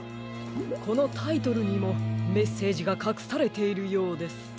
このタイトルにもメッセージがかくされているようです。